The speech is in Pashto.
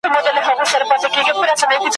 سره له هغه چي خپل شعرونه `